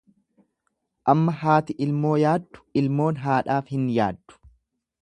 Amma haati ilmoo yaaddu ilmoon haadhaaf hin yaaddu.